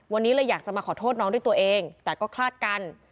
วันนี้เลยอยากจะมาขอโทษน้องด้วยตัวเองแต่ก็คลาดกัน